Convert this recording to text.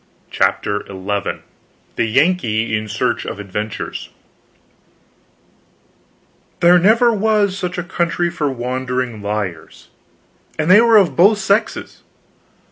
CHAPTER XI THE YANKEE IN SEARCH OF ADVENTURES There never was such a country for wandering liars; and they were of both sexes.